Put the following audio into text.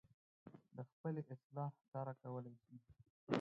د خپلې اصلاح چاره کولی شي.